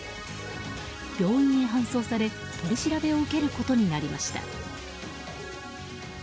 病院へ搬送され取り調べを受けることになりました。